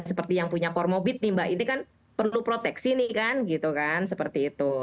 seperti yang punya cormobit nih mbak ini kan perlu proteksi nih kan gitu kan seperti itu